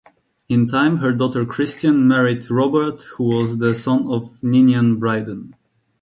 In time her daughter Christian married Robert who was the son of Ninian Bryden.